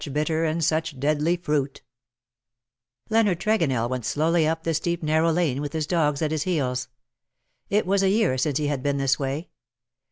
BITTER AND SUC] Leonard Tregonell went slowly up the steep nar row lane with his dogs at his heels. It was a year since he had been this way.